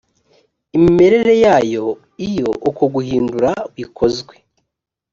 imimerere yayo iyo uko guhindura bikozwe